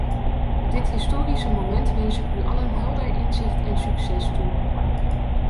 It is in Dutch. Op dit historische moment wens ik u allen helder inzicht en succes toe.